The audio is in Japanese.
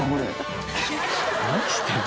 何してるの？